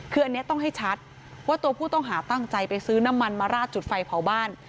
คืออันนี้ต้องให้ชัดว่าตัวผู้ต้องหาตั้งใจไปซื้อน้ำมันมาราดจุดไฟเผาบ้าน